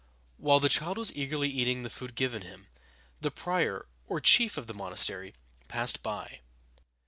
While the child was eagerly eating the food given him, the prior, or chief of the monastery, passed by.